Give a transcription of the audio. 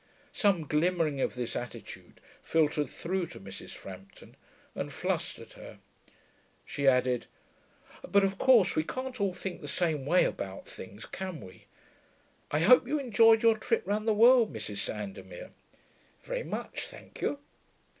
Some glimmering of this attitude filtered through to Mrs. Frampton, and flustered her. She added, 'But of course we can't all think the same way about things, can we?... I hope you enjoyed your trip round the world, Mrs. Sandomir.' 'Very much, thank you.'